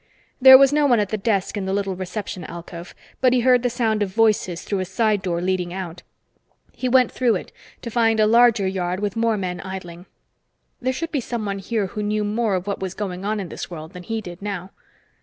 There was no one at the desk in the little reception alcove, but he heard the sound of voices through a side door leading out. He went through it, to find a larger yard with more men idling. There should be someone here who knew more of what was going on in this world than he did now.